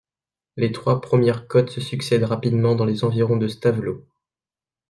Les trois premières côtes se succèdent rapidement dans les environs de Stavelot.